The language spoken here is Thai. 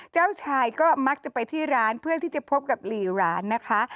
เจ้าชายก็มักจะไปที่ร้านเพื่อที่จะพบกับหลีร้านนะคะ